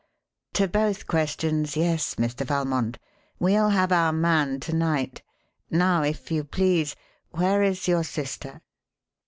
"To both questions, yes, Mr. Valmond. We'll have our man to night. Now, if you please, where is your sister?"